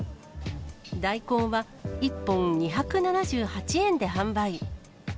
大根は１本２７８円で販売。